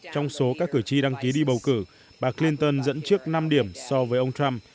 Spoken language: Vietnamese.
trong số các cử tri đăng ký đi bầu cử bà clinton dẫn trước năm điểm so với ông trump